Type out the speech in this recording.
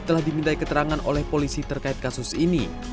telah dimintai keterangan oleh polisi terkait kasus ini